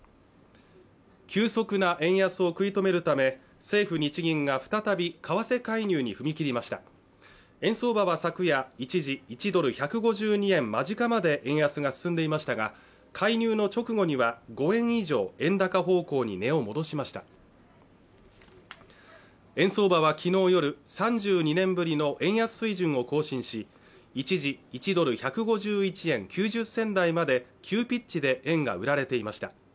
急速な円安を食い止めるため政府・日銀が再び為替介入に踏み切りました円相場は昨夜一時１ドル＝１５２円間近まで円安が進んでいましたが介入の直後には５円以上円高方向に値を戻しました円相場はきのう夜３２年ぶりの円安水準を更新し一時１ドル＝１５１円９０銭台まで急ピッチで円が売られていました